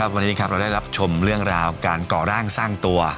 วันนี้ครับเราได้รับชมเรื่องราวการก่อร่างสร้างตัว